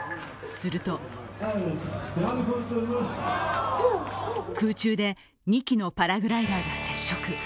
すると空中で、２機のパラグライダーが接触。